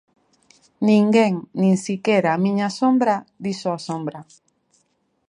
Ninguén, nin sequera a miña sombra, dixo a sombra.